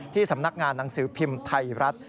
สำนักงานหนังสือพิมพ์ไทยรัฐ